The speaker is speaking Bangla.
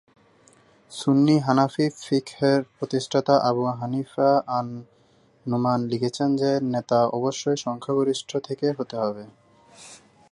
সুন্নি হানাফি ফিকহের প্রতিষ্ঠাতা আবু হানিফা আন-নুমান লিখেছেন যে, নেতা অবশ্যই সংখ্যাগরিষ্ঠ থেকে হতে হবে।